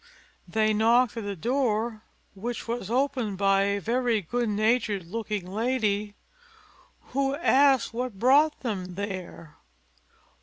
They knocked at the door, which was opened by a very good natured looking lady, who asked what brought them there.